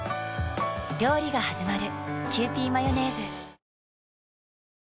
料理がはじまる。